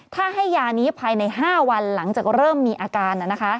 ถ้าให้ยานี้ภายใน๕วันหลังจากเริ่มมีอาการ